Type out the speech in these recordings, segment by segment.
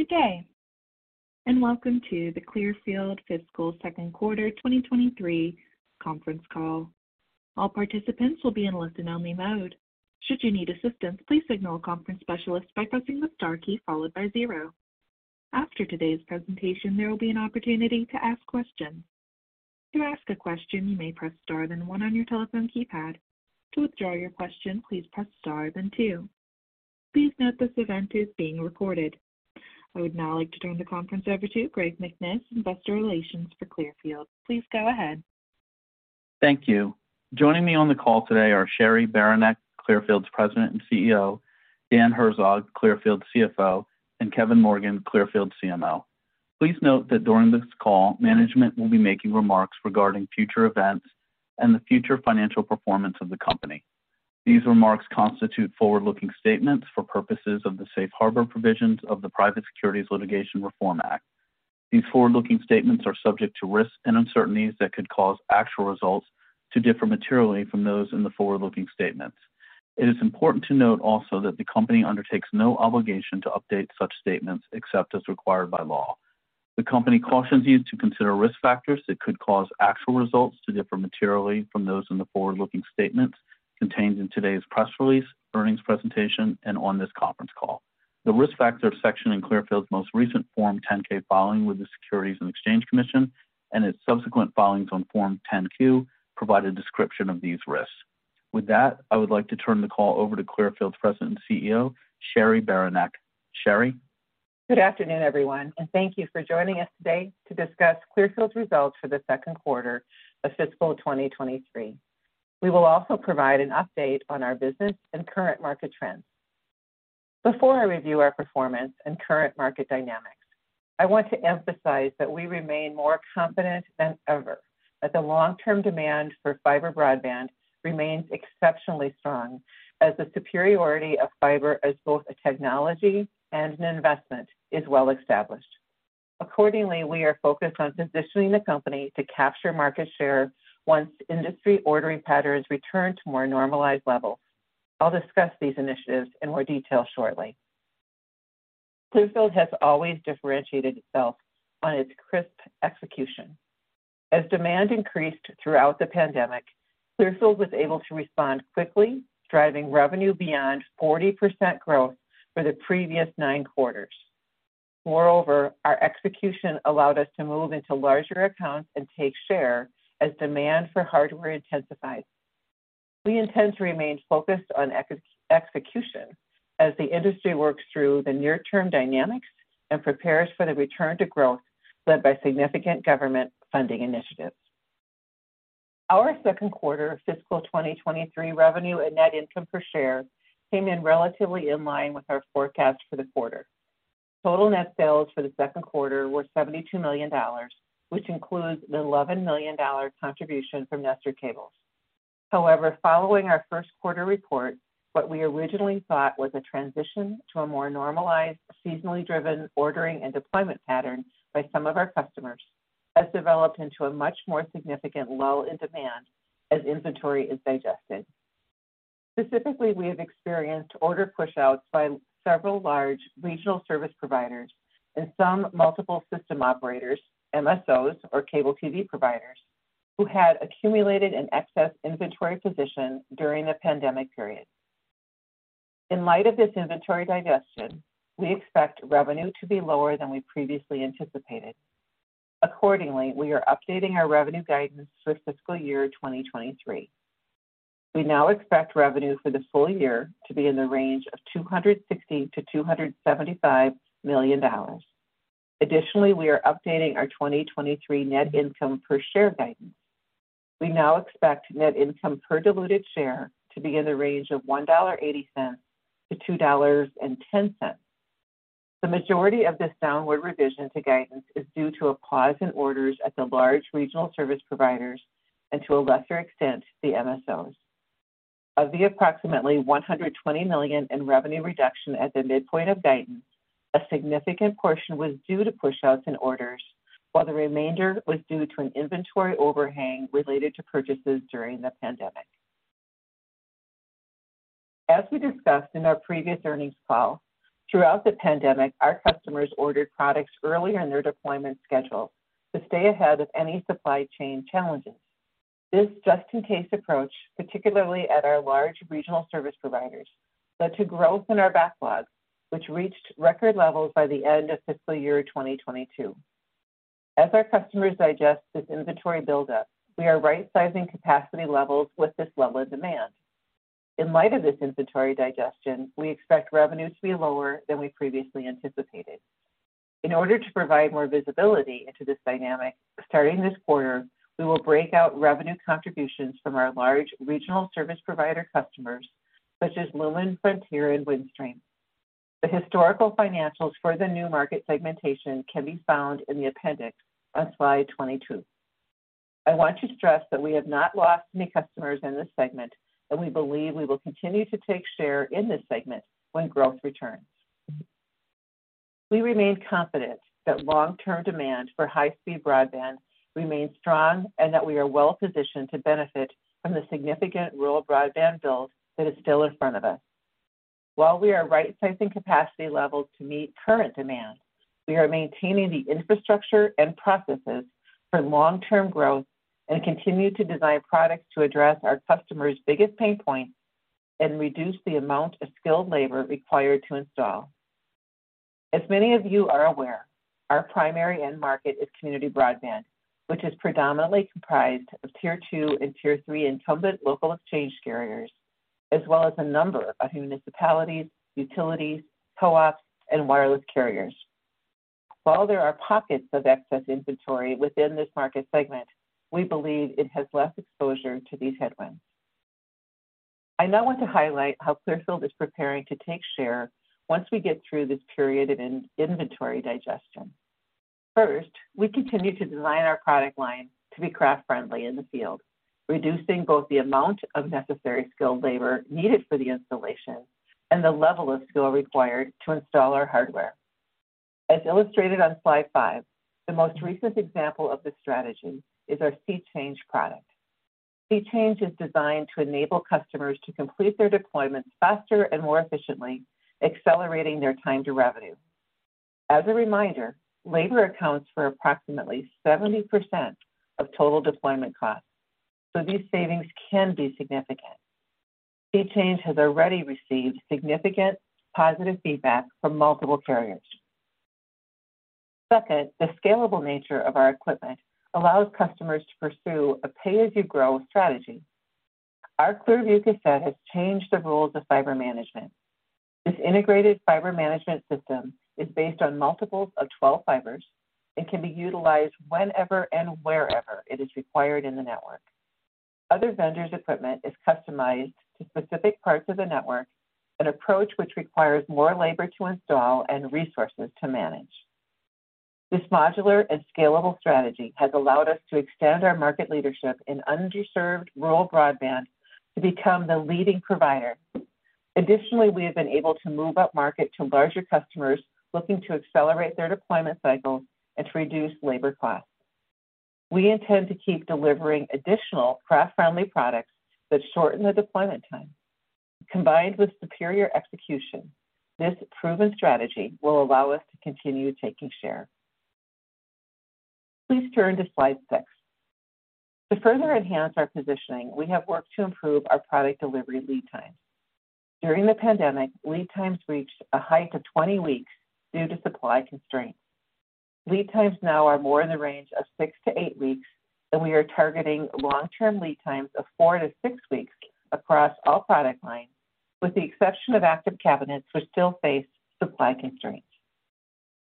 Good day, welcome to the Clearfield Fiscal Q2 2023 Conference Call. All participants will be in listen only mode. Should you need assistance, please signal a conference specialist by pressing the Star key followed by 0. After today's presentation, there will be an opportunity to ask questions. To ask a question, you may press Star then 1 on your telephone keypad. To withdraw your question, please press Star then 2. Please note this event is being recorded. I would now like to turn the conference over to Greg McNiff, investor relations for Clearfield. Please go ahead. Thank you. Joining me on the call today are Cheri Beranek, Clearfield's President and CEO, Dan Herzog, Clearfield CFO, and Kevin Morgan, Clearfield CMO. Please note that during this call, management will be making remarks regarding future events and the future financial performance of the company. These remarks constitute forward-looking statements for purposes of the safe harbor provisions of the Private Securities Litigation Reform Act. These forward-looking statements are subject to risks and uncertainties that could cause actual results to differ materially from those in the forward-looking statements. It is important to note also that the company undertakes no obligation to update such statements except as required by law. The company cautions you to consider risk factors that could cause actual results to differ materially from those in the forward-looking statements contained in today's press release, earnings presentation, and on this conference call. The Risk Factors section in Clearfield's most recent Form 10-K filing with the Securities and Exchange Commission and its subsequent filings on Form 10-Q provide a description of these risks. With that, I would like to turn the call over to Clearfield President and CEO, Cheri Beranek. Cheri? Good afternoon, everyone, and thank you for joining us today to discuss Clearfield's results for the Q2 of fiscal 2023. We will also provide an update on our business and current market trends. Before I review our performance and current market dynamics, I want to emphasize that we remain more confident than ever that the long-term demand for fiber broadband remains exceptionally strong as the superiority of fiber as both a technology and an investment is well established. Accordingly, we are focused on positioning the company to capture market share once industry ordering patterns return to more normalized levels. I'll discuss these initiatives in more detail shortly. Clearfield has always differentiated itself on its crisp execution. As demand increased throughout the pandemic, Clearfield was able to respond quickly, driving revenue beyond 40% growth for the previous nine quarters. Moreover, our execution allowed us to move into larger accounts and take share as demand for hardware intensified. We intend to remain focused on execution as the industry works through the near-term dynamics and prepares for the return to growth led by significant government funding initiatives. Our Q2 of fiscal 2023 revenue and net income per share came in relatively in line with our forecast for the quarter. Total net sales for the second quarter were $72 million, which includes an $11 million contribution from Nestor Cables. However, following ourQ1 report, what we originally thought was a transition to a more normalized, seasonally driven ordering and deployment pattern by some of our customers has developed into a much more significant lull in demand as inventory is digested. Specifically, we have experienced order pushouts by several large regional service providers and some Multiple System Operators, MSOs, or cable TV providers, who had accumulated an excess inventory position during the pandemic period. In light of this inventory digestion, we expect revenue to be lower than we previously anticipated. Accordingly, we are updating our revenue guidance for fiscal year 2023. We now expect revenue for the full year to be in the range of $260 million-$275 million. Additionally, we are updating our 2023 net income per share guidance. We now expect net income per diluted share to be in the range of $1.80-$2.10. The majority of this downward revision to guidance is due to a pause in orders at the large regional service providers and to a lesser extent, the MSOs. Of the approximately $120 million in revenue reduction at the midpoint of guidance, a significant portion was due to pushouts and orders, while the remainder was due to an inventory overhang related to purchases during the pandemic. As we discussed in our previous earnings call, throughout the pandemic, our customers ordered products early in their deployment schedule to stay ahead of any supply chain challenges. This just in case approach, particularly at our large regional service- providers, led to growth in our backlog, which reached record levels by the end of fiscal year 2022. As our customers digest this inventory buildup, we are right-sizing capacity levels with this level of demand. In light of this inventory digestion, we expect revenue to be lower than we previously anticipated. In order to provide more visibility into this dynamic, starting this quarter, we will break out revenue contributions from our large regional service provider customers such as Lumen, Frontier, and Windstream. The historical financials for the new market segmentation can be found in the appendix on slide 22. I want to stress that we have not lost any customers in this segment, and we believe we will continue to take share in this segment when growth returns. We remain confident that long-term demand for high-speed broadband remains strong and that we are well positioned to benefit from the significant rural broadband build that is still in front of us. While we are right-sizing capacity levels to meet current demand, we are maintaining the infrastructure and processes for long-term growth and continue to design products to address our customers' biggest pain points and reduce the amount of skilled labor required to install. As many of you are aware, our primary end market is community broadband, which is predominantly comprised of tier two and tier three incumbent local exchange carriers, as well as a number of municipalities, utilities, co-ops, and wireless carriers. While there are pockets of excess inventory within this market segment, we believe it has less exposure to these headwinds. I now want to highlight how Clearfield is preparing to take share once we get through this period of in-inventory digestion. First, we continue to design our product line to be craft friendly in the field, reducing both the amount of necessary skilled-labor needed for the installation and the level of skill required to install our hardware. As illustrated on slide five, the most recent example of this strategy is our SeeChange product. SeeChange is designed to enable customers to complete their deployments faster and more efficiently, accelerating their time to revenue. As a reminder, labor accounts for approximately 70% of total deployment costs, so these savings can be significant. SeeChange has already received significant positive feedback from multiple carriers. Second, the scalable nature of our equipment allows customers to pursue a pay-as-you-grow strategy. Our Clearview Cassette has changed the rules of fiber-management. This integrated fiber management system is based on multiples of 12 fibers and can be utilized whenever and wherever it is required in the network. Other vendors' equipment is customized to specific parts of the network, an approach which requires more labor to install and resources to manage. This modular and scalable strategy has allowed us to extend our market leadership in underserved rural broadband to become the leading provider. Additionally, we have been able to move up market to larger customers looking to accelerate their deployment cycles and to reduce labor costs. We intend to keep delivering additional craft friendly products that shorten the deployment time. Combined with superior execution, this proven strategy will allow us to continue taking share. Please turn to slide six. To further enhance our positioning, we have worked to improve our product delivery lead time. During the pandemic, lead times reached a height of 20 weeks due to supply constraints. Lead times now are more in the range of six-eight weeks, and we are targeting long-term lead times of four-six weeks across all product lines, with the exception of active cabinets which still face supply constraints.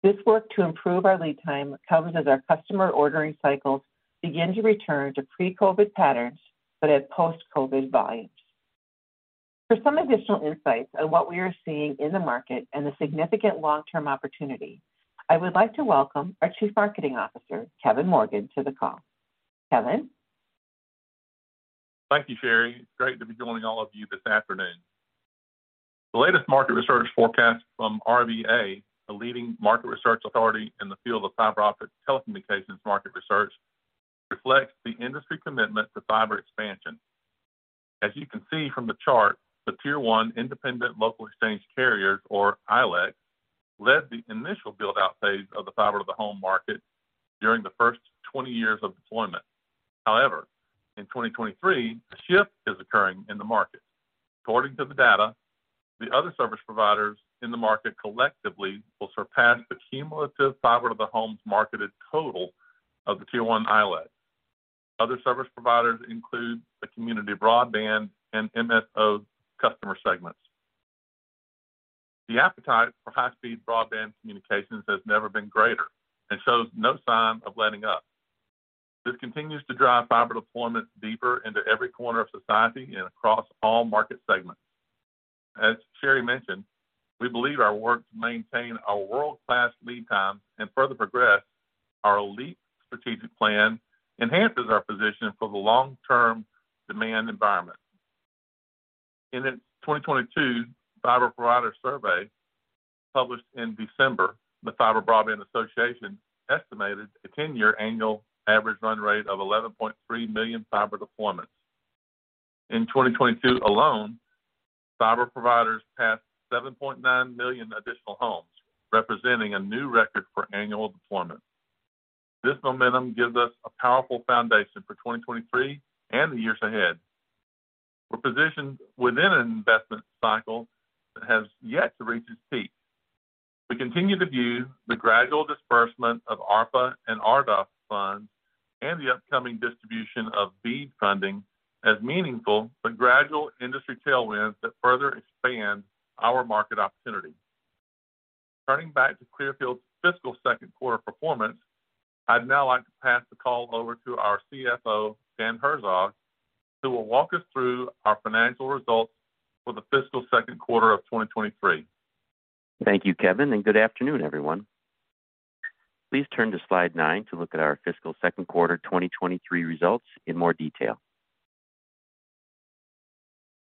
This work to improve our lead time comes as our customer ordering cycles begin to return to pre-COVID patterns but at post-COVID volumes. For some additional insights on what we are seeing in the market and the significant long-term opportunity, I would like to welcome our Chief Marketing Officer, Kevin Morgan, to the call. Kevin? Thank you, Cheri. Great to be joining all of you this afternoon. The latest market research forecast from RVA, the leading market research authority in the field of fiber optic telecommunications market research, reflects the industry commitment to fiber expansion. As you can see from the chart, the tier one independent local exchange carriers, or ILEC, led the initial build out phase of the Fiber to the Home market during the first 20 years of deployment. However, in 2023, a shift is occurring in the market. According to the data, the other service providers in the market collectively will surpass the cumulative Fiber to the Homes marketed total of the tier one ILEC. Other service providers include the community broadband and MSO customer segments. The appetite for high-speed broadband communications has never been greater and shows no sign of letting up. This continues to drive fiber deployment deeper into every corner of society and across all market segments. As Sherry mentioned, we believe our work to maintain our world-class lead time and further progress our elite strategic plan enhances our position for the long-term demand environment. In the 2022 fiber provider survey published in December, the Fiber Broadband Association estimated a 10-year annual average run rate of 11.3 million fiber deployments. In 2022 alone, fiber providers passed 7.9 million additional homes, representing a new record for annual deployment. This momentum gives us a powerful foundation for 2023 and the years ahead. We're positioned within an investment cycle that has yet to reach its peak. We continue to view the gradual disbursement of ARPA and RDOF funds and the upcoming distribution of BEAD funding as meaningful but gradual industry tailwinds that further expand our market opportunity. Turning back to Clearfield's fiscal Q2 performance, I'd now like to pass the call over to our CFO, Dan Herzog, who will walk us through our financial results for the fiscal Q2 of 2023. Thank you, Kevin, and good afternoon, everyone. Please turn to slide nine to look at our fiscal Q2 2023 results in more detail.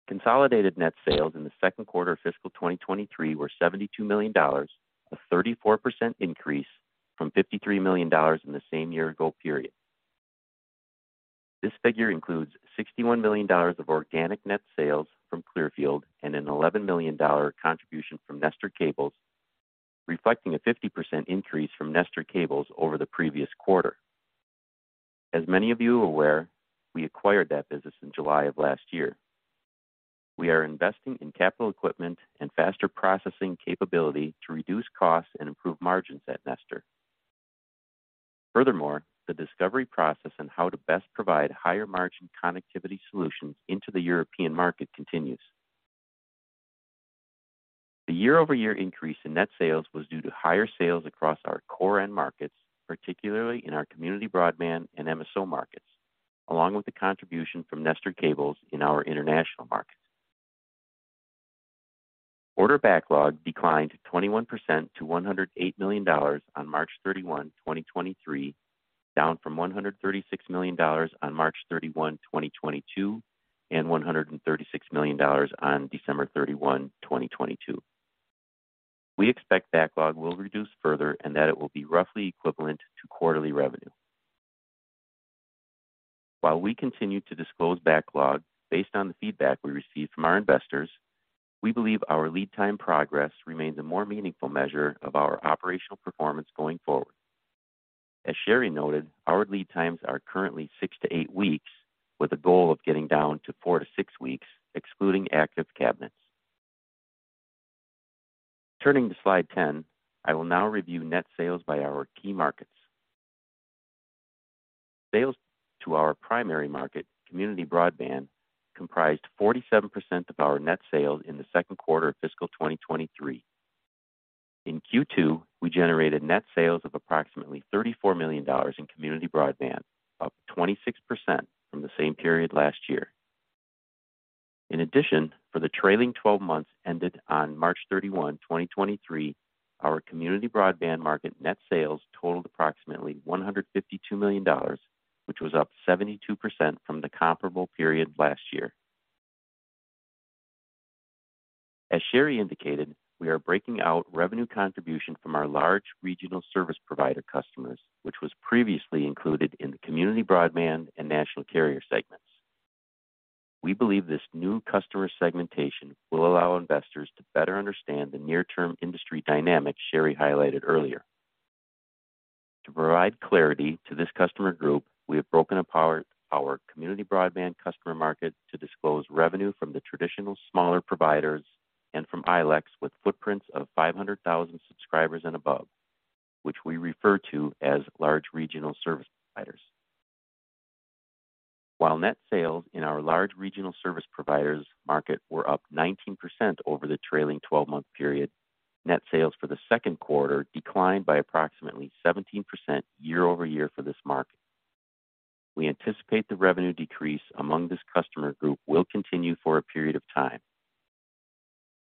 Consolidated net sales in the Q2 of fiscal 2023 were $72 million, a 34% increase from $53 million in the same year-ago period. This figure includes $61 million of organic net sales from Clearfield and an $11 million contribution from Nestor Cables, reflecting a 50% increase from Nestor Cables over the previous quarter. As many of you are aware, we acquired that business in July of last year. We are investing in capital equipment and faster processing capability to reduce costs and improve margins at Nestor. Furthermore, the discovery process on how to best provide higher margin connectivity solutions into the European market continues. The year-over-year increase in net sales was due to higher sales across our core end markets, particularly in our community broadband and MSO markets, along with the contribution from Nestor Cables in our international markets. Order backlog declined 21% to $108 million on March 31, 2023, down from $136 million on March 31, 2022, and $136 million on December 31, 2022. We expect backlog will reduce further and that it will be roughly equivalent to quarterly revenue. While we continue to disclose backlog based on the feedback we receive from our investors, we believe our lead time progress remains a more meaningful measure of our operational performance going forward. As Sherry noted, our lead times are currently six-eight weeks, with a goal of getting down to four-six weeks, excluding active cabinets. Turning to slide 10, I will now review net sales by our key markets. Sales to our primary market, community broadband, comprised 47% of our net sales in the second quarter of fiscal 2023. In Q2, we generated net sales of approximately $34 million in community broadband, up 26% from the same period last year. In addition, for the trailing 12 months ended on March 31, 2023, our community broadband market net ssales totaled approximately $152 million, which was up 72% from the comparable period last year. As Cheri indicated, we are breaking out revenue contribution from our large regional service provider customers, which was previously included in the community broadband and national carrier segments. We believe this new customer segmentation will allow investors to better understand the near term industry dynamics Cheri highlighted earlier. To provide clarity to this customer group, we have broken apart our community broadband customer market to disclose revenue from the traditional smaller providers and from ILEC with footprints of 500,000 subscribers and above, which we refer to as large regional service providers. While net sales in our large regional service providers market were up 19% over the trailing twelve-month period, net sales for the second quarter declined by approximately 17% year-over-year for this market. We anticipate the revenue decrease among this customer group will continue for a period of time.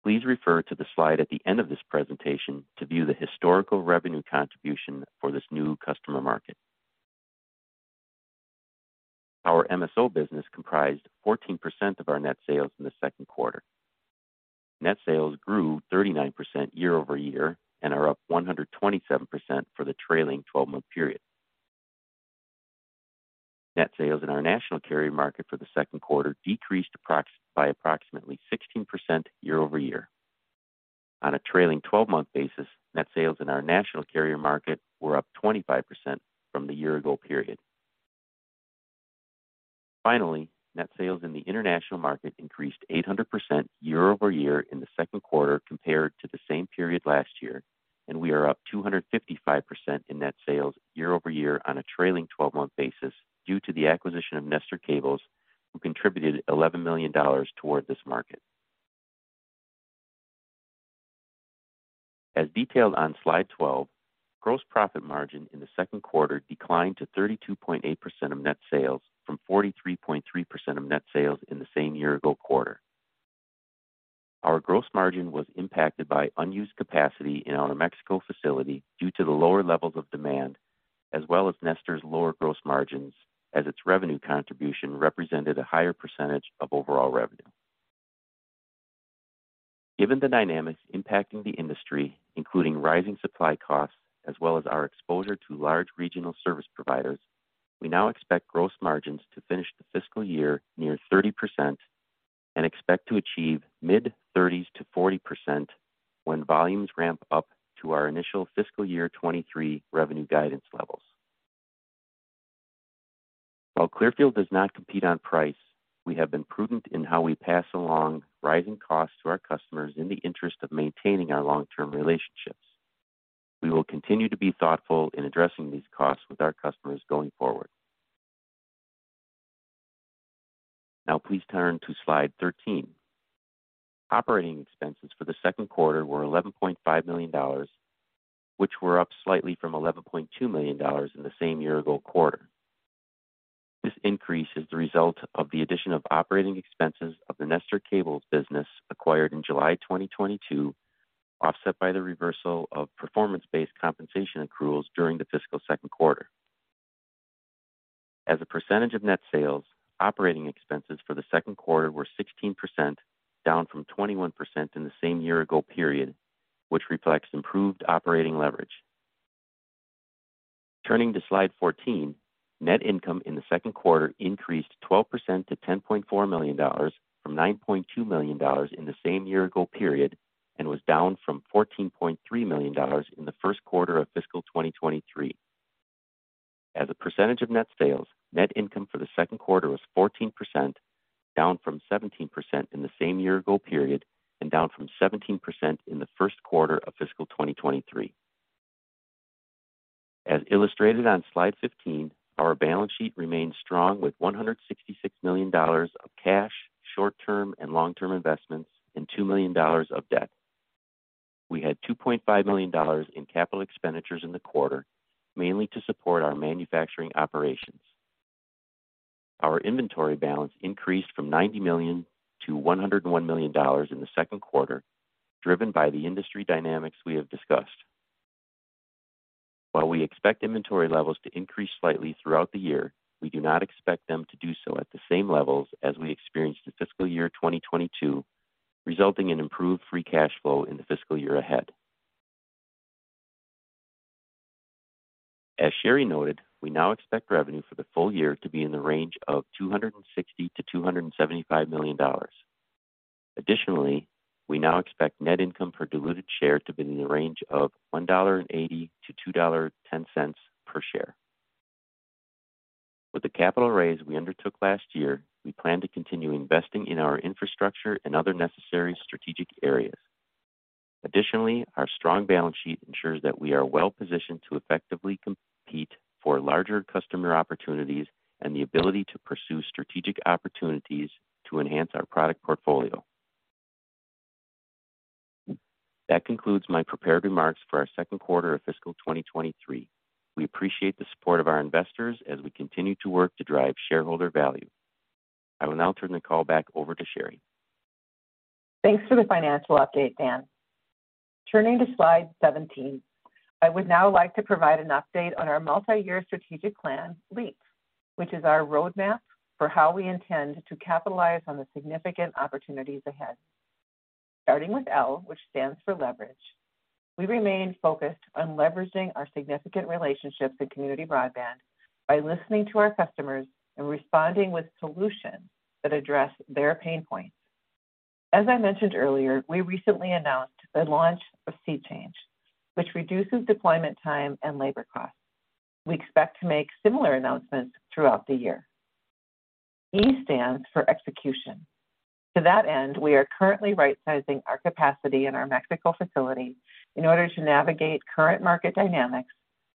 Please refer to the slide at the end of this presentation to view the historical revenue contribution for this new customer market. Our MSO business comprised 14% of our net sales in the Q2. Net sales grew 39% year-over-year and are up 127% for the trailing twelve-month period. Net sales in our national carrier market for the Q2 decreased by approximately 16% year-over-year. On a trailing twelve-month basis, net sales in our national carrier market were up 25% from the year ago period. Net sales in the international market increased 800% year-over-year in the Q2 compared to the same period last year. We are up 255% in net sales year-over-year on a trailing twelve-month basis due to the acquisition of Nestor Cables, who contributed $11 million toward this market. As detailed on slide 12, gross profit margin in the second quarter declined to 32.8% of net sales from 43.3% of net sales in the same year ago quarter. Our gross margin was impacted by unused capacity in our New Mexico facility due to the lower levels of demand, as well as Nestor's lower gross margins as its revenue contribution represented a higher percentage of overall revenue. Given the dynamics impacting the industry, including rising supply costs as well as our exposure to large regional service providers, we now expect gross margins to finish the fiscal year near 30% and expect to achieve mid-30s to 40% when volumes ramp up to our initial fiscal year 2023 revenue guidance levels. While Clearfield does not compete on price, we have been prudent in how we pass along rising costs to our customers in the interest of maintaining our long-term relationships. We will continue to be thoughtful in addressing these costs with our customers going forward. Please turn to slide 13. Operating expenses for the Q2 were $11.5 million, which were up slightly from $11.2 million in the same year-ago quarter. This increase is the result of the addition of operating expenses of the Nestor Cables business acquired in July 2022, offset by the reversal of performance-based compensation accruals during the fiscal second quarter. As a percentage of net sales, operating expenses for the Q2 were 16%, down from 21% in the same year-ago period, which reflects improved operating leverage. Turning to slide 14, net income in the Q2 increased 12% to $10.4 million from $9.2 million in the same year-ago period, and was down from $14.3 million in the Q1 of fiscal 2023. As a percentage of net sales, net income for the Q2 was 14%, down from 17% in the same year-ago period and down from 17% in the Q1 of fiscal 2023. As illustrated on slide 15, our balance sheet remains strong with $166 million of cash, short-term and long-term investments and $2 million of debt. We had $2.5 million in capital expenditures in the quarter, mainly to support our manufacturing operations. Our inventory balance increased from $90 million to $101 million in the Q2, driven by the industry dynamics we have discussed. While we expect inventory levels to increase slightly throughout the year, we do not expect them to do so at the same levels as we experienced in fiscal year 2022, resulting in improved free cash flow in the fiscal year ahead. As Cheri noted, we now expect revenue for the full year to be in the range of $260 million-$275 million. Additionally, we now expect net income per diluted share to be in the range of $1.80-$2.10 per share. With the capital raise we undertook last year, we plan to continue investing in our infrastructure and other necessary strategic areas. Additionally, our strong balance sheet ensures that we are well positioned to effectively compete for larger customer opportunities and the ability to pursue strategic opportunities to enhance our product portfolio. That concludes my prepared remarks for our Q2 of fiscal 2023. We appreciate the support of our investors as we continue to work to drive shareholder value. I will now turn the call back over to Cheri. Thanks for the financial update, Dan. Turning to slide 17, I would now like to provide an update on our multi-year strategic plan, LEAP, which is our roadmap for how we intend to capitalize on the significant opportunities ahead. Starting with L, which stands for leverage, we remain focused on leveraging our significant relationships in community broadband by listening to our customers and responding with solutions that address their pain points. As I mentioned earlier, we recently announced the launch of SeeChange, which reduces deployment time and labor costs. We expect to make similar announcements throughout the year. E stands for execution. To that end, we are currently rightsizing our capacity in our Mexico facility in order to navigate current market dynamics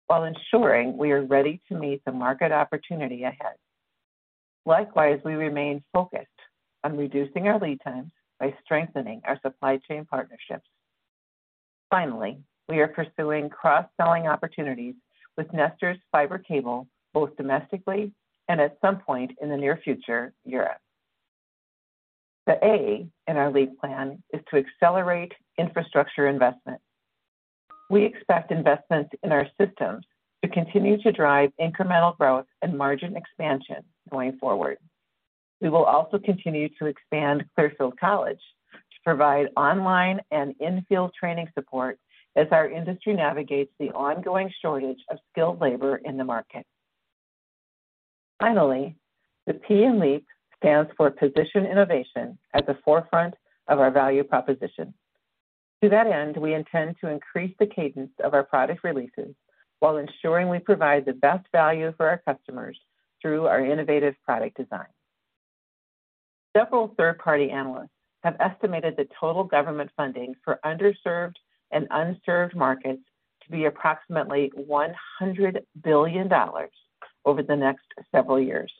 while ensuring we are ready to meet the market opportunity ahead. Likewise, we remain focused on reducing our lead times by strengthening our supply chain partnerships. Finally, we are pursuing cross-selling opportunities with Nestor's Fiber Cable, both domestically and at some point in the near future, Europe. The A in our LEAP plan is to accelerate infrastructure investment. We expect investments in our systems to continue to drive incremental growth and margin expansion going forward. We will also continue to expand Clearfield College to provide online and in-field training support as our industry navigates the ongoing shortage of skilled labor in the market. Finally, the P in LEAP stands for position innovation at the forefront of our value proposition. To that end, we intend to increase the cadence of our product releases while ensuring we provide the best value for our customers through our innovative product design. Several third-party analysts have estimated the total government funding for underserved and unserved markets to be approximately $100 billion over the next several years.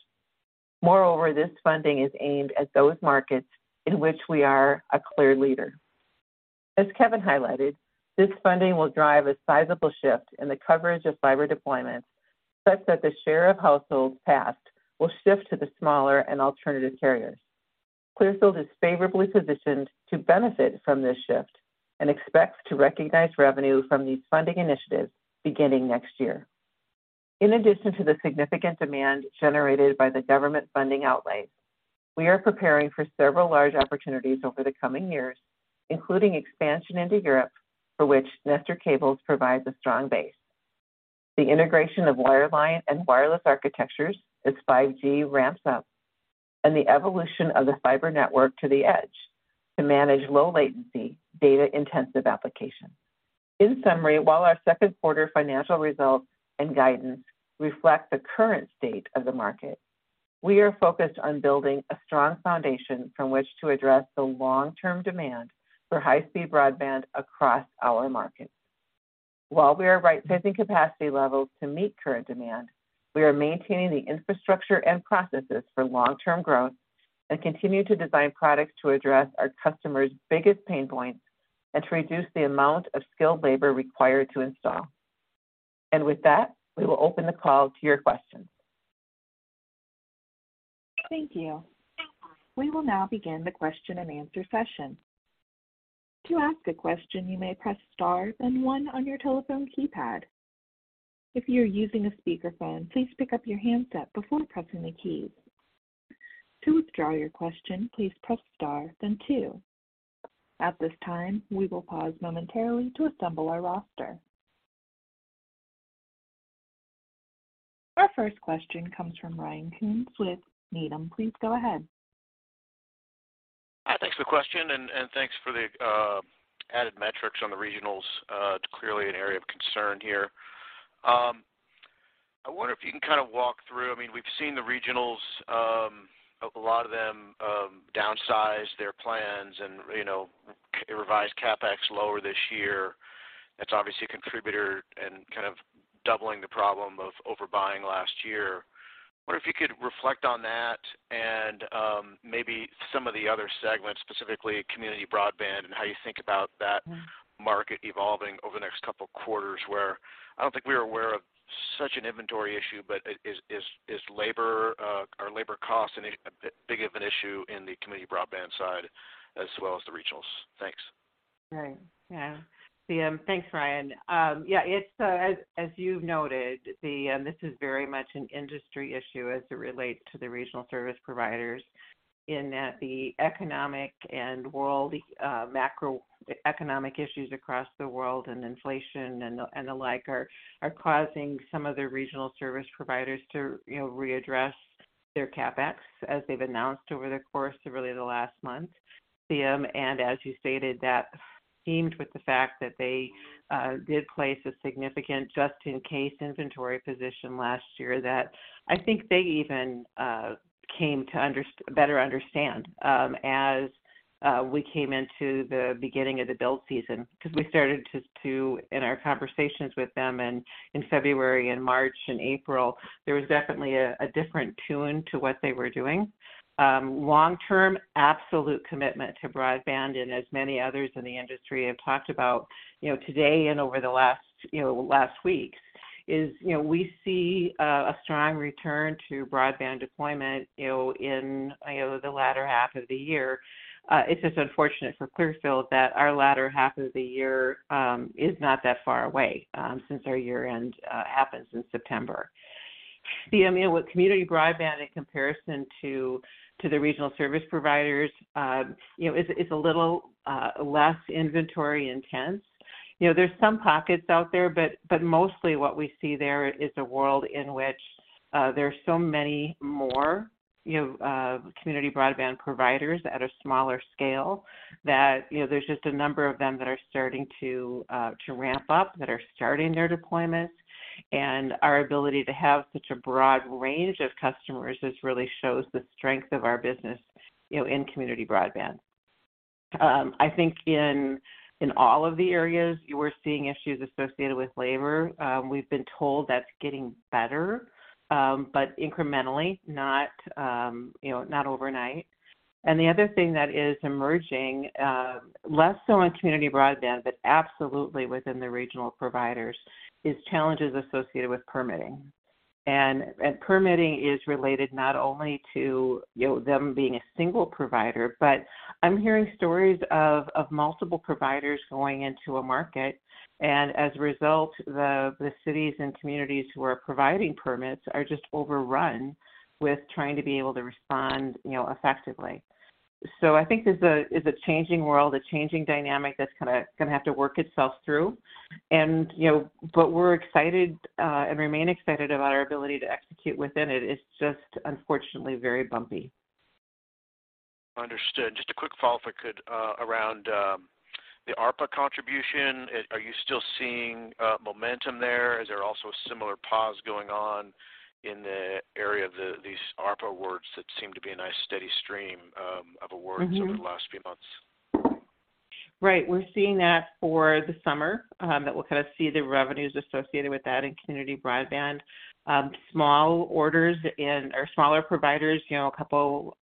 Moreover, this funding is aimed at those markets in which we are a clear leader. As Kevin highlighted, this funding will drive a sizable shift in the coverage of fiber deployments such that the share of households passed will shift to the smaller and alternative carriers. Clearfield is favorably positioned to benefit from this shift and expects to recognize revenue from these funding initiatives beginning next year. In addition to the significant demand generated by the government funding outlay, we are preparing for several large opportunities over the coming years, including expansion into Europe, for which Nestor Cables provides a strong base. The integration of wireline and wireless architectures as 5G ramps up, and the evolution of the fiber network to the edge to manage low latency data intensive applications. In summary, while our second quarter financial results and guidance reflect the current state of the market, we are focused on building a strong foundation from which to address the long-term demand for high-speed broadband across our markets. While we are rightsizing capacity levels to meet current demand, we are maintaining the infrastructure and processes for long-term growth and continue to design products to address our customers' biggest pain points and to reduce the amount of skilled labor required to install. With that, we will open the call to your questions. Thank you. We will now begin the question and answer session. To ask a question, you may press star then one on your telephone keypad. If you are using a speakerphone, please pick up your handset before pressing the keys. To withdraw your question, please press star then two. At this time, we will pause momentarily to assemble our roster. Our first question comes from Ryan Koontz with Needham. Please go ahead Hi. Thanks for the question and thanks for the added metrics on the regionals. It's clearly an area of concern here. I wonder if you can kind of walk through... I mean, we've seen the regionals, a lot of them, downsize their plans and, you know, revise CapEx lower this year. That's obviously a contributor and kind of doubling the problem of overbuying last year. Wonder if you could reflect on that and maybe some of the other segments, specifically community broadband and how you think about that market evolving over the next couple quarters, where I don't think we are aware of such an inventory issue, but is labor or labor cost a big of an issue in the community broadband side as well as the regionals? Thanks. Right. Yeah. Thanks, Ryan. Yeah, it's, as you've noted, this is very much an industry issue as it relates to the regional service providers in that the economic and macroeconomic issues across the world and inflation and the like are causing some of the regional service providers to, you know, readdress their CapEx as they've announced over the course of really the last month. As you stated, that teamed with the fact that they did place a significant just in case inventory position last year that I think they even came to better understand as we came into the beginning of the build season. Because we started in our conversations with them in February and March and April, there was definitely a different tune to what they were doing. Long-term absolute commitment to broadband, and as many others in the industry have talked about, you know, today and over the last week is, you know, we see a strong return to broadband deployment, you know, in, you know, the latter half of the year. It's just unfortunate for Clearfield that our latter half of the year is not that far away since our year-end happens in September. You know, with community broadband in comparison to the regional service providers, you know, is a little less inventory intense. You know, there's some pockets out there, but mostly what we see there is a world in which there are so many more, you know, community broadband providers at a smaller scale that, you know, there's just a number of them that are starting to ramp up, that are starting their deployments. Our ability to have such a broad range of customers just really shows the strength of our business, you know, in community broadband. I think in all of the areas you are seeing issues associated with labor, we've been told that's getting better, but incrementally, not, you know, not overnight. The other thing that is emerging, less so on community broadband but absolutely within the regional providers, is challenges associated with permitting. Permitting is related not only to, you know, them being a single provider, but I'm hearing stories of multiple providers going into a market, and as a result, the cities and communities who are providing permits are just overrun with trying to be able to respond, you know, effectively. I think there's a, there's a changing world, a changing dynamic that's kinda, gonna have to work itself through. You know, but we're excited, and remain excited about our ability to execute within it. It's just unfortunately very bumpy. Understood. Just a quick follow-up if I could, around the ARPA contribution. Are you still seeing momentum there? Is there also a similar pause going on in the area of these ARPA awards that seem to be a nice steady stream of awards over the last few months? Right. We're seeing that for the summer, that we'll kind of see the revenues associated with that in community broadband. Small orders in our smaller providers, you know, a couple,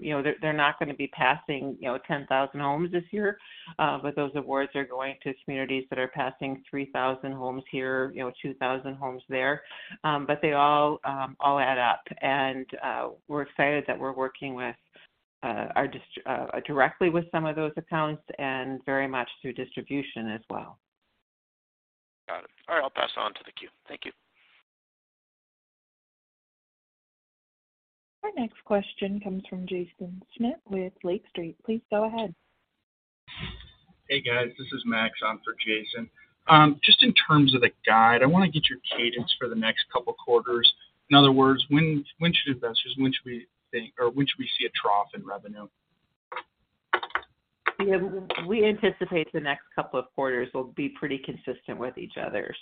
you know, they're not gonna be passing, you know, 10,000 homes this year, but those awards are going to communities that are passing 3,000 homes here, you know, 2,000 homes there. but they all all add up. We're excited that we're working with our directly with some of those accounts and very much through distribution as well. Got it. All right, I'll pass it on to the queue. Thank you. Our next question comes from Jaeson Schmidt with Lake Street Capital Markets. Please go ahead. Hey, guys. This is Max on for Jaeson. just in terms of the guide, I wanna get your cadence for the next couple quarters. In other words, when should investors, when should we think or when should we see a trough in revenue? Yeah. We anticipate the next couple of quarters will be pretty consistent with each other.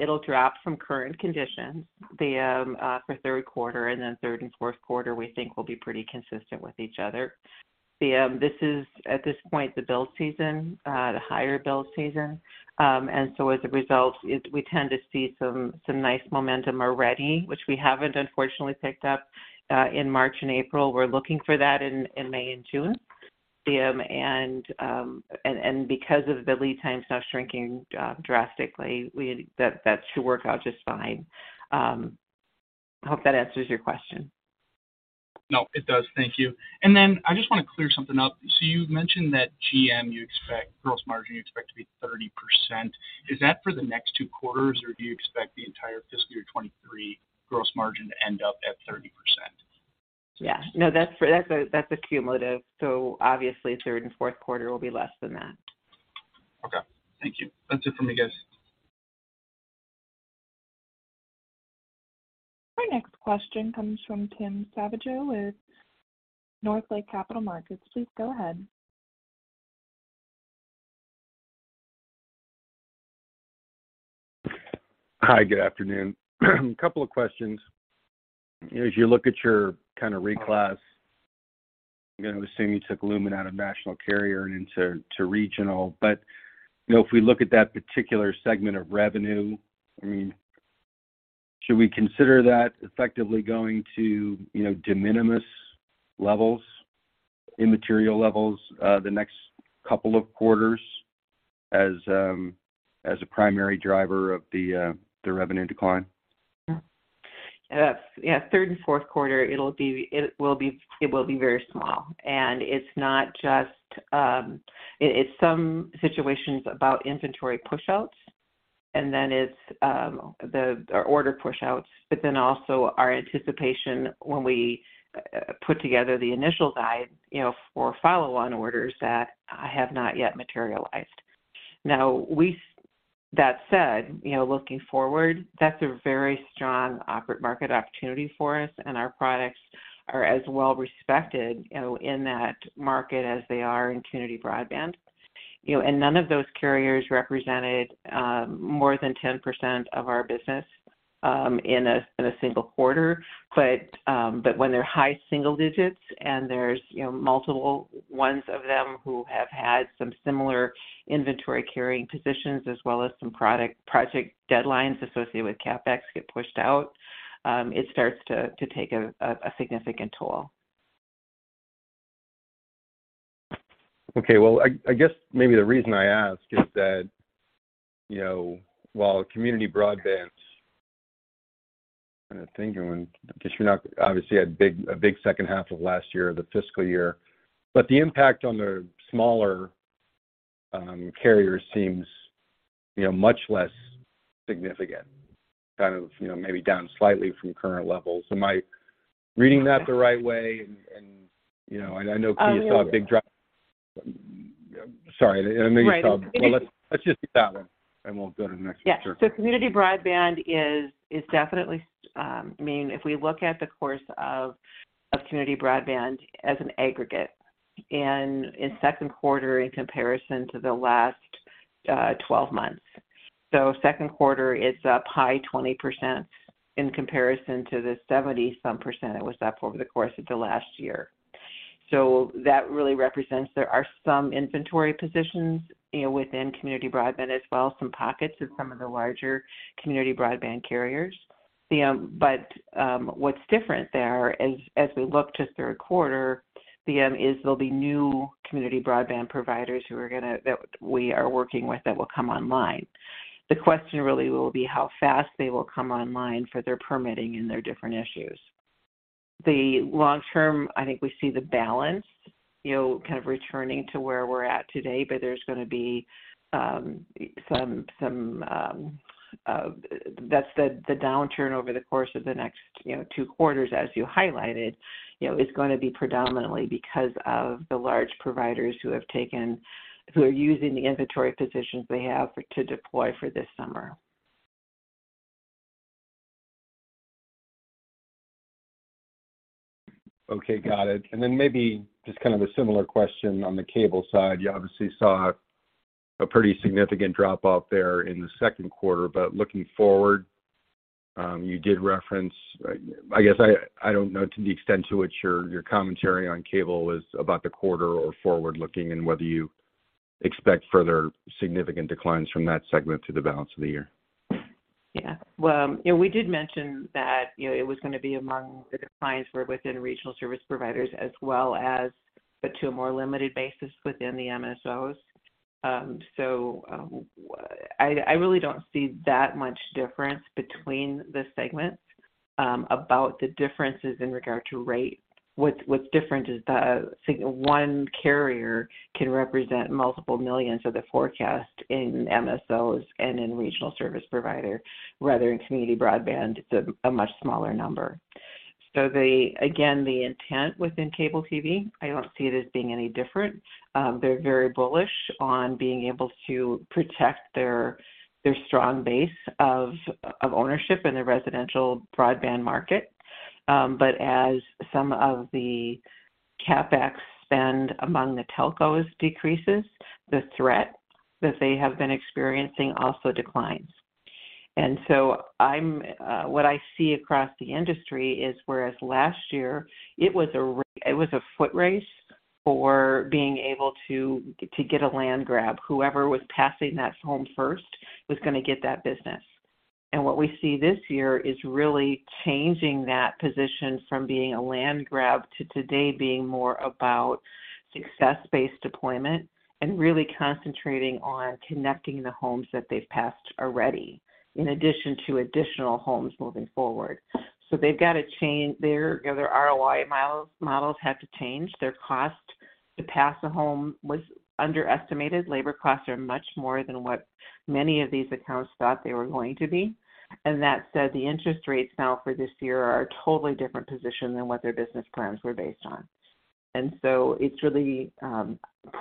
It'll drop from current conditions for third quarter, and then third and fourth quarter we think will be pretty consistent with each other. This is at this point the build season, the higher build season. As a result it's, we tend to see some nice momentum already, which we haven't unfortunately picked up in March and April. We're looking for that in May and June. Because of the lead times now shrinking drastically, that should work out just fine. Hope that answers your question. No, it does. Thank you. I just wanna clear something up. You've mentioned that GM, you expect, gross margin, you expect to be 30%. Is that for the next two quarters, or do you expect the entire fiscal year 2023 gross margin to end up at 30%? Yeah. That's a cumulative, so obviously third and fourth quarter will be less than that. Okay. Thank you. That's it for me, guys. Our next question comes from Tim Savageaux with Northland Capital Markets. Please go ahead. Hi, good afternoon. A couple of questions. As you look at your kind of reclass, again, I'm assuming you took Lumen out of national carrier and into, to regional. You know, if we look at that particular segment of revenue, I mean, should we consider that effectively going to, you know, de minimis levels, immaterial levels, the next couple of quarters as a primary driver of the revenue decline? Yeah. Third and fourth quarter, it will be very small. It's not just, it's some situations about inventory pushouts, and then it's the order pushouts, but then also our anticipation when we put together the initial guide, you know, for follow-on orders that have not yet materialized. That said, you know, looking forward, that's a very strong market opportunity for us, and our products are as well-respected, you know, in that market as they are in community broadband. You know, none of those carriers represented more than 10% of our business in a single quarter. When they're high single digits and there's, you know, multiple ones of them who have had some similar inventory carrying positions as well as some project deadlines associated with CapEx get pushed out, it starts to take a significant toll. Okay. Well, I guess maybe the reason I ask is that, you know, while community broadband... I'm trying to think. I mean, because you're not obviously a big second half of last year, the fiscal year. The impact on the smaller carriers seems, you know, much less significant, kind of, you know, maybe down slightly from current levels. Am I reading that the right way? You know, and I know Q saw a big drop. Sorry. Right. Let's just do that one, and we'll go to the next one. Yeah. community broadband is definitely, I mean, if we look at the course of community broadband as an aggregate and in second quarter in comparison to the last 12 months. Q2 is up high 20% in comparison to the 70 some % it was up over the course of the last year. that really represents there are some inventory positions, you know, within community broadband as well, some pockets of some of the larger community broadband carriers. What's different there as we look to third quarter, is there'll be new community broadband providers who are that we are working with that will come online. The question really will be how fast they will come online for their permitting and their different issues. The long term, I think we see the balance, you know, kind of returning to where we're at today, but there's gonna be some, that's the downturn over the course of the next, you know, 2nd quarters, as you highlighted, you know, is gonna be predominantly because of the large providers who are using the inventory positions they have for, to deploy for this summer. Okay. Got it. Then maybe just kind of a similar question on the cable side. You obviously saw a pretty significant drop off there in the 2nd quarter. Looking forward, you did reference, I guess I don't know to the extent to which your commentary on cable was about the quarter or forward looking and whether you expect further significant declines from that segment through the balance of the year. Yeah. Well, you know, we did mention that, you know, it was gonna be among the declines were within regional service providers as well as, but to a more limited basis within the MSOs. I really don't see that much difference between the segments about the differences in regard to rate. What's different is one carrier can represent multiple millions of the forecast in MSOs and in regional service provider, rather in community broadband, it's a much smaller number. Again, the intent within cable TV, I don't see it as being any different. They're very bullish on being able to protect their strong base of ownership in the residential broadband market. As some of the CapEx spend among the telcos decreases, the threat that they have been experiencing also declines. I'm what I see across the industry is, whereas last year it was a foot race for being able to get a land grab. Whoever was passing that home first was gonna get that business. What we see this year is really changing that position from being a land grab to today being more about success-based deployment and really concentrating on connecting the homes that they've passed already, in addition to additional homes moving forward. They've got to change their ROI models have to change. Their cost to pass a home was underestimated. Labor costs are much more than what many of these accounts thought they were going to be. That said, the interest rates now for this year are a totally different position than what their business plans were based on. It's really,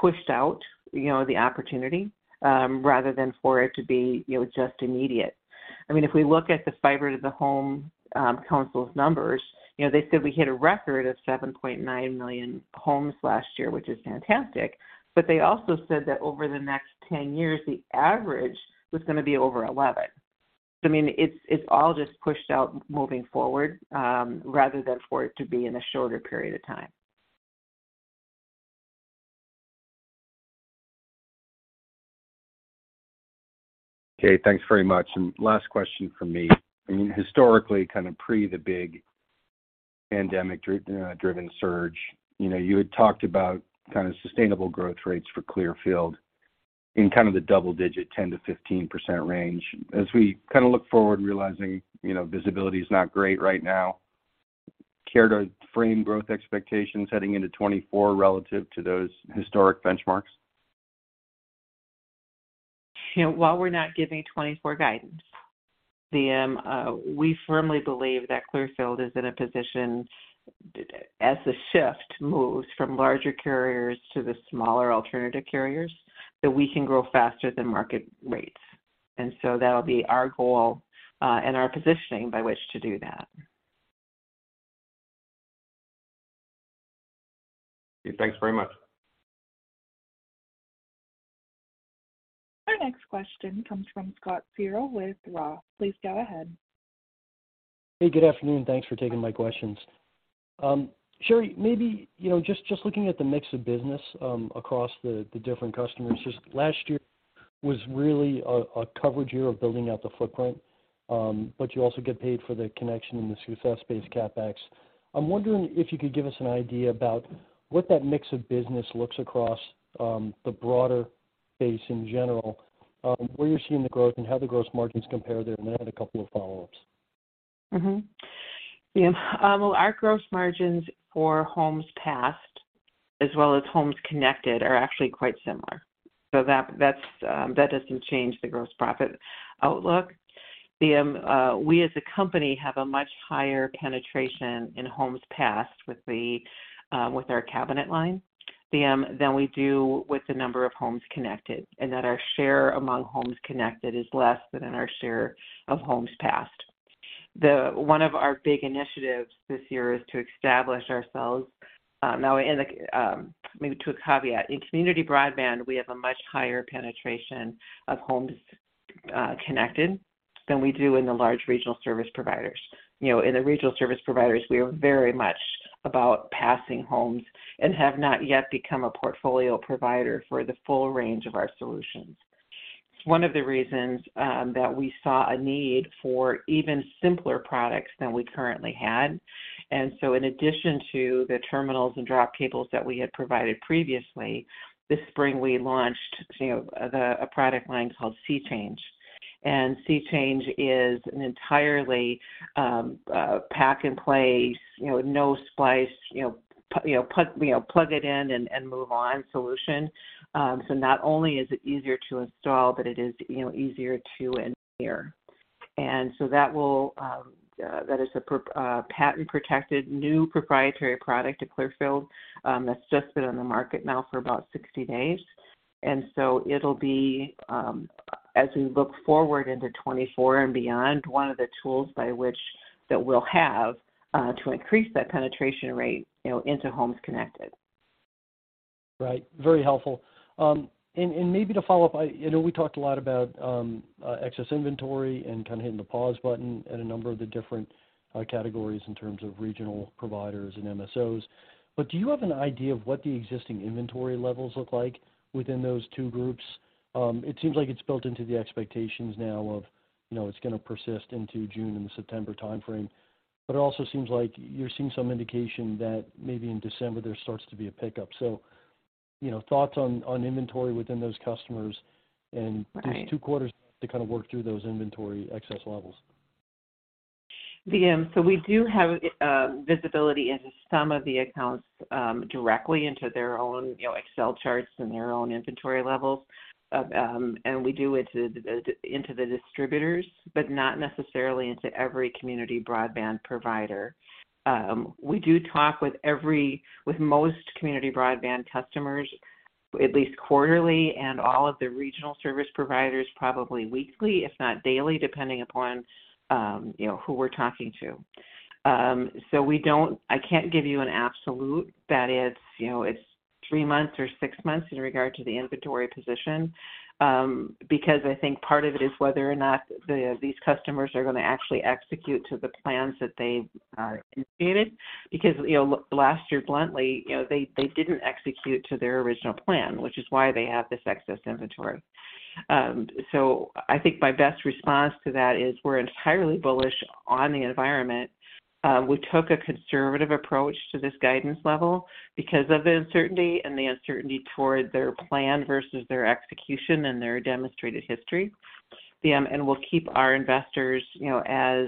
pushed out, you know, the opportunity, rather than for it to be, you know, just immediate. I mean, if we look at the Fiber to the Home Council's numbers, you know, they said we hit a record of 7.9 million homes last year, which is fantastic. They also said that over the next 10 years, the average was gonna be over 11. I mean, it's all just pushed out moving forward, rather than for it to be in a shorter period of time. Okay, thanks very much. Last question from me. I mean, historically, kind of pre the big pandemic driven surge, you know, you had talked about kind of sustainable growth rates for Clearfield in kind of the double digit, 10%-15% range. As we kind of look forward and realizing, you know, visibility is not great right now, care to frame growth expectations heading into 2024 relative to those historic benchmarks? You know, while we're not giving 24 guidance, the, we firmly believe that Clearfield is in a position, as the shift moves from larger carriers to the smaller alternative carriers, that we can grow faster than market rates. That'll be our goal, and our positioning by which to do that. Thanks very much. Our next question comes from Scott Searle with Roth. Please go ahead. Hey, good afternoon. Thanks for taking my questions. Cheri, maybe, you know, just looking at the mix of business across the different customers. Just last year was really a coverage year of building out the footprint, but you also get paid for the connection and the success-based CapEx. I'm wondering if you could give us an idea about what that mix of business looks across the broader base in general, where you're seeing the growth and how the gross margins compare there, then I had a couple of follow-ups. Yeah. Well, our gross margins for homes passed as well as homes connected are actually quite similar. That, that's, that doesn't change the gross profit outlook. We as a company have a much higher penetration in homes passed with the with our cabinet line than we do with the number of homes connected, and that our share among homes connected is less than in our share of homes passed. One of our big initiatives this year is to establish ourselves now in maybe to a caveat. In community broadband, we have a much higher penetration of homes connected than we do in the large regional service providers. You know, in the regional service providers, we are very much about passing homes and have not yet become a portfolio provider for the full range of our solutions. It's one of the reasons that we saw a need for even simpler products than we currently had. In addition to the terminals and drop cables that we had provided previously, this spring we launched, you know, a product line called SeeChange. SeeChange is an entirely plug and play, you know, no splice, you know, plug it in and move on solution. Not only is it easier to install, but it is, you know, easier to engineer. That is a patent protected new proprietary product to Clearfield, that's just been on the market now for about 60 days. It'll be, as we look forward into 2024 and beyond, one of the tools by which that we'll have to increase that penetration rate, you know, into homes connected. Right. Very helpful. Maybe to follow up, I, you know, we talked a lot about excess inventory and kind of hitting the pause button at a number of the different categories in terms of regional providers and MSOs. Do you have an idea of what the existing inventory levels look like within those two groups? It seems like it's built into the expectations now of, you know, it's gonna persist into June and September timeframe. It also seems like you're seeing some indication that maybe in December there starts to be a pickup. You know, thoughts on inventory within those customers and- Right. These Q2 to kind of work through those inventory excess levels. We do have visibility into some of the accounts, directly into their own, you know, Excel charts and their own inventory levels. We do it to the, into the distributors, but not necessarily into every community broadband provider. We do talk with most community broadband customers at least quarterly, and all of the regional service providers probably weekly, if not daily, depending upon, you know, who we're talking to. I can't give you an absolute that it's, you know, it's three month months in regard to the inventory position, because I think part of it is whether or not these customers are gonna actually execute to the plans that they indicated. You know, last year, bluntly, you know, they didn't execute to their original plan, which is why they have this excess inventory. I think my best response to that is we're entirely bullish on the environment. We took a conservative approach to this guidance level because of the uncertainty and the uncertainty toward their plan versus their execution and their demonstrated history. We'll keep our investors, you know, as,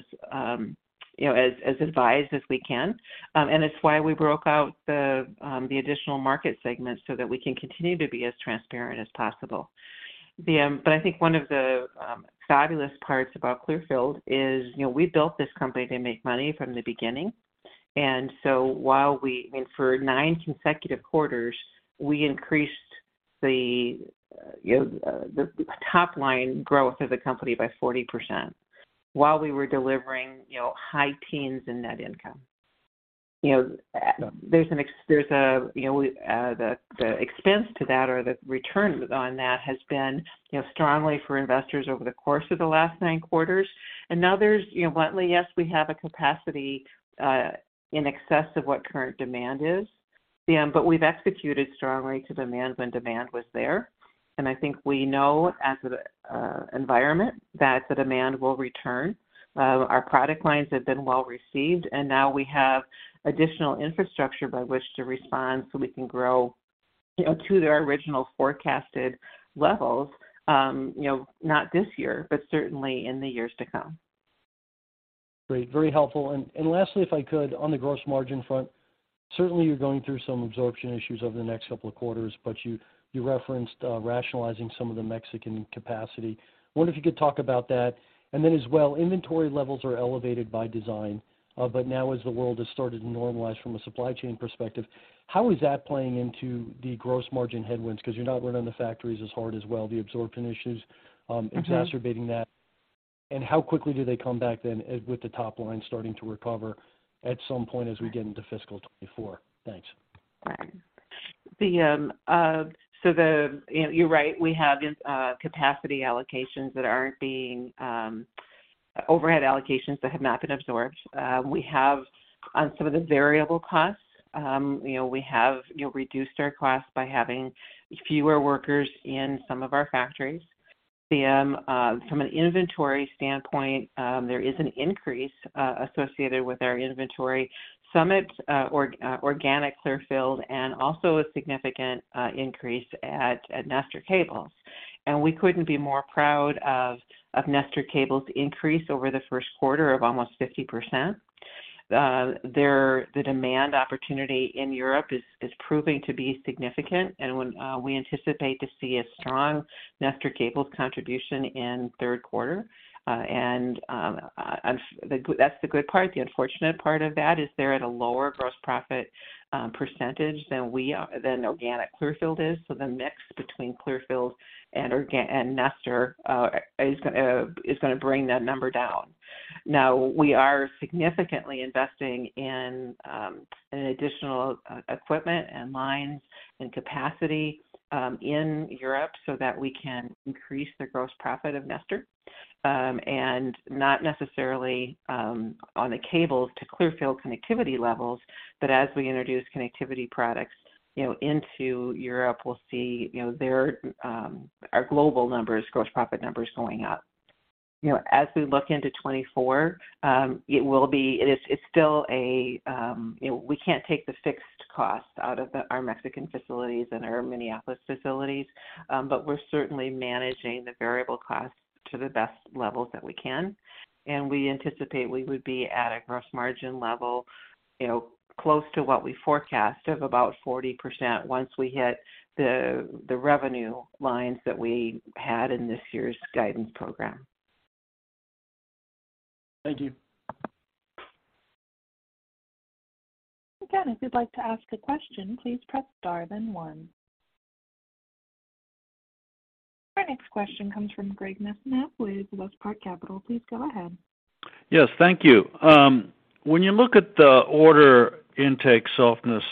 you know, as advised as we can. It's why we broke out the additional market segments so that we can continue to be as transparent as possible. I think one of the fabulous parts about Clearfield is, you know, we built this company to make money from the beginning. While we and for nine consecutive quarters, we increased the, you know, the top line growth of the company by 40% while we were delivering, you know, high teens in net income. You know, there's a, you know, we, the expense to that or the return on that has been, you know, strongly for investors over the course of the last nine quarters. Now there's, you know, bluntly, yes, we have a capacity in excess of what current demand is. We've executed strongly to demand when demand was there. I think we know as the environment that the demand will return. Our product lines have been well-received, and now we have additional infrastructure by which to respond so we can grow, you know, to their original forecasted levels, you know, not this year, but certainly in the years to come. Great. Very helpful. Lastly, if I could, on the gross margin front, certainly you're going through some absorption issues over the next couple of quarters, but you referenced rationalizing some of the Mexican capacity. Wonder if you could talk about that. Then as well, inventory levels are elevated by design, but now as the world has started to normalize from a supply chain perspective, how is that playing into the gross margin headwinds? 'Cause you're not running the factories as hard as well, the absorption issues... exacerbating that. How quickly do they come back then with the top line starting to recover at some point as we get into fiscal 2024? Thanks. You're right. We have capacity allocations that aren't being. Overhead allocations that have not been absorbed. We have, on some of the variable costs, you know, we have, you know, reduced our costs by having fewer workers in some of our factories. From an inventory standpoint, there is an increase associated with our inventory summit, organic Clearfield and also a significant increase at Nestor Cables. We couldn't be more proud of Nestor Cables increase over the 1st quarter of almost 50%. The demand opportunity in Europe is proving to be significant, and when we anticipate to see a strong Nestor Cables contribution in 3rd quarter. That's the good part. The unfortunate part of that is they're at a lower gross profit % than we are than organic Clearfield is. The mix between Clearfield and Nestor is gonna bring that number down. We are significantly investing in additional equipment and lines and capacity in Europe so that we can increase the gross profit of Nestor. Not necessarily on the cables to Clearfield connectivity levels, but as we introduce connectivity products, you know, into Europe, we'll see, you know, their our global numbers, gross profit numbers going up. You know, as we look into 2024, you know, we can't take the fixed cost out of the, our Mexican facilities and our Minneapolis facilities, but we're certainly managing the variable costs to the best levels that we can. We anticipate we would be at a gross margin level, you know, close to what we forecast of about 40% once we hit the revenue lines that we had in this year's guidance program. Thank you. Again, if you'd like to ask a question, please press Star then One. Our next question comes from Greg Mesniaeff with WestPark Capital. Please go ahead. Yes, thank you. When you look at the order intake softness,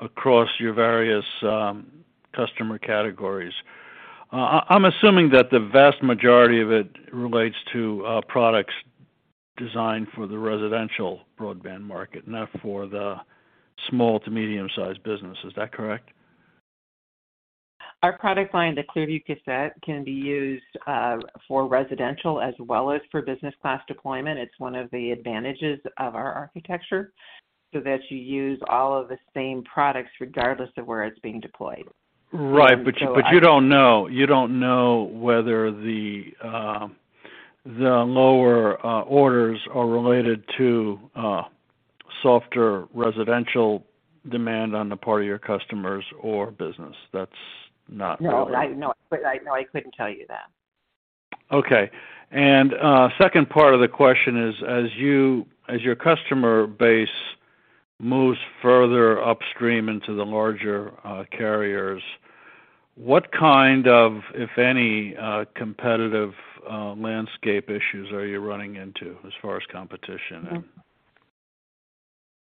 across your various, customer categories, I'm assuming that the vast majority of it relates to, products designed for the residential broadband market, not for the small to medium-sized business. Is that correct? Our product line, the Clearview Cassette, can be used for residential as well as for business class deployment. It's one of the advantages of our architecture, so that you use all of the same products regardless of where it's being deployed. Right. You don't know whether the lower, orders are related to, softer residential demand on the part of your customers or business. No, I couldn't tell you that. Okay. second part of the question is, as your customer base moves further upstream into the larger, carriers, what kind of, if any, competitive, landscape issues are you running into as far as competition?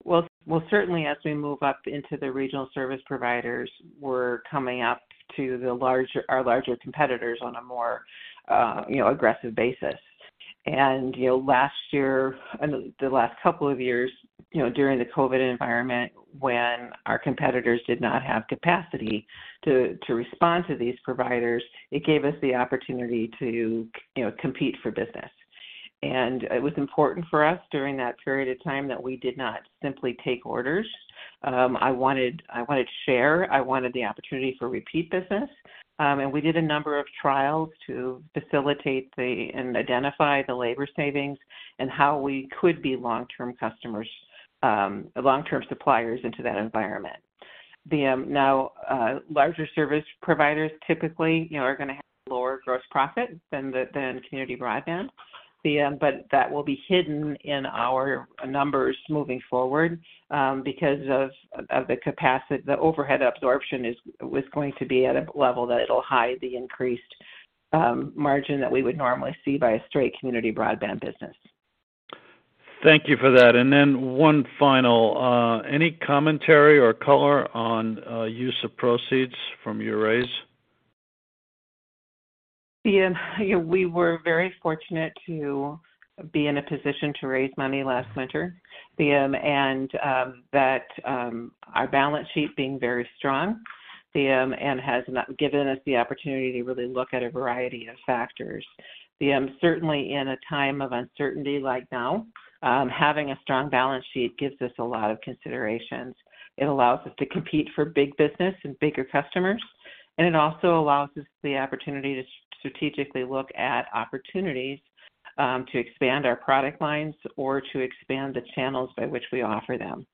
Well, certainly as we move up into the regional service providers, we're coming up to our larger competitors on a more, you know, aggressive basis. You know, last year, the last couple of years, you know, during the COVID environment, when our competitors did not have capacity to respond to these providers, it gave us the opportunity to, you know, compete for business. It was important for us during that period of time that we did not simply take orders. I wanted the opportunity for repeat business. We did a number of trials to facilitate and identify the labor savings and how we could be long-term customers, long-term suppliers into that environment. Now, larger service providers typically, you know, are gonna have lower gross profit than Community Broadband. That will be hidden in our numbers moving forward, because of the overhead absorption is, was going to be at a level that it'll hide the increased margin that we would normally see by a straight Community Broadband business. Thank you for that. One final. Any commentary or color on use of proceeds from your raise? You know, we were very fortunate to be in a position to raise money last winter. That, our balance sheet being very strong, and has not given us the opportunity to really look at a variety of factors. Certainly in a time of uncertainty like now, having a strong balance sheet gives us a lot of considerations. It allows us to compete for big business and bigger customers, and it also allows us the opportunity to strategically look at opportunities, to expand our product lines or to expand the channels by which we offer them.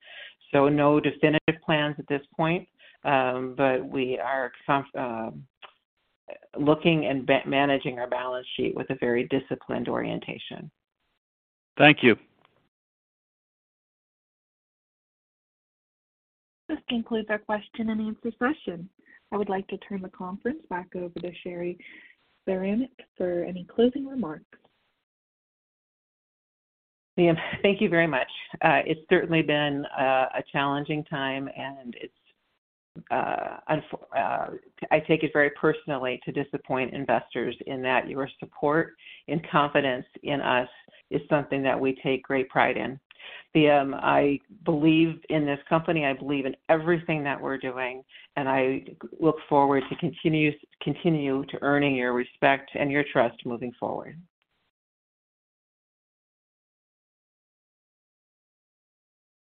No definitive plans at this point, but we are looking and managing our balance sheet with a very disciplined orientation. Thank you. This concludes our question and answer session. I would like to turn the conference back over to Cheri Beranek for any closing remarks. Yeah. Thank you very much. It's certainly been a challenging time, and it's, I take it very personally to disappoint investors in that your support and confidence in us is something that we take great pride in. I believe in this company, I believe in everything that we're doing. I look forward to continue to earning your respect and your trust moving forward.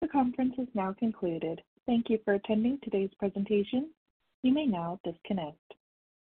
The conference is now concluded. Thank you for attending today's presentation. You may now disconnect.